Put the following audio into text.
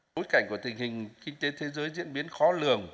bối cảnh của tình hình kinh tế thế giới diễn biến khó lường